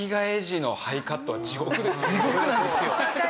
地獄なんですよ。